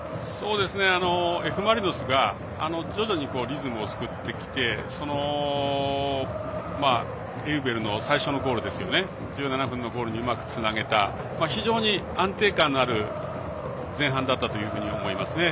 Ｆ・マリノスが徐々にリズムを作ってきてエウベルの最初のゴール１７分のゴールにうまくつなげた非常に安定感のある前半だったというふうに思いますね。